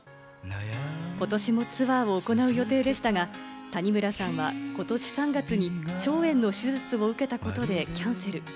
ことしもツアーを行う予定でしたが、谷村さんは、ことし３月に腸炎の手術を受けたことでキャンセル。